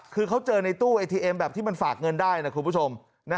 คือเขาเจอในตู้ไอทีเอ็มแบบที่มันฝากเงินได้นะคุณผู้ชม